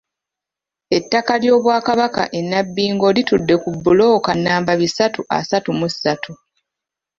Ettaka ly'Obwakabaka e Nabbingo litudde ku bbulooka nnamba bisatu asatu mu ssatu.